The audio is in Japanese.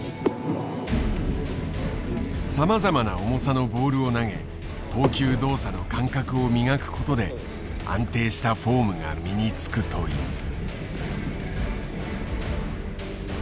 さまざまな重さのボールを投げ投球動作の感覚を磨くことで安定したフォームが身につくという。